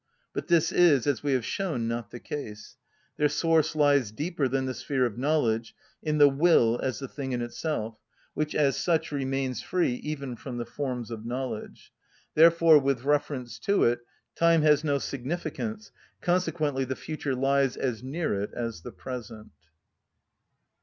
But this is, as we have shown, not the case. Their source lies deeper than the sphere of knowledge, in the will as the thing in itself, which as such remains free even from the forms of knowledge; therefore with reference to it time has no significance, consequently the future lies as near it as the present.